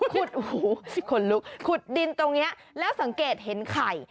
ขนลุกขุดดินตรงนี้แล้วสังเกตเห็นไข่